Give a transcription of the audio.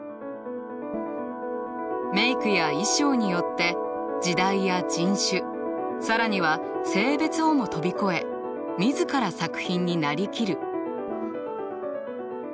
メークや衣装によって時代や人種更には性別をも飛びこえ自ら作品になりきる。